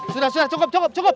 sudah sudah cukup cukup